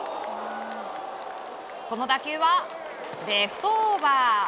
この打球は、レフトオーバー。